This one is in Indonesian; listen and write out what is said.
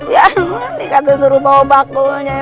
yaudah nih kata suruh bawa bakulnya